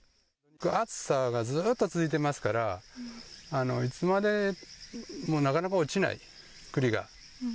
暑さがずっと続いてますから、いつまでもなかなか落ちない、栗が。